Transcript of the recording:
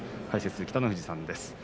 解説は北の富士さんです。